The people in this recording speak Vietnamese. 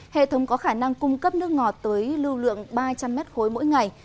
hệ thống có khả năng cung cấp nước ngọt tới lưu lượng ba trăm linh mét khối mỗi ngày